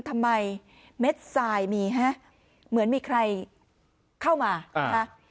ทำไมเม็ดทรายมีฮะเหมือนมีใครเข้ามาอ่า